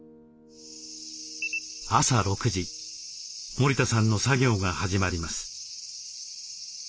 森田さんの作業が始まります。